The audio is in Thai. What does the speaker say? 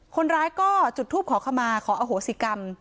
คนร้ายก็จุดทูปขอขมาขออโหสิกรรม